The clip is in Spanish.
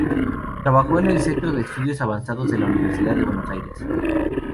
Trabajó en el "Centro de Estudios Avanzados" de la Universidad de Buenos Aires.